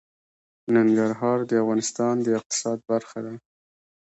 ننګرهار د افغانستان د اقتصاد برخه ده.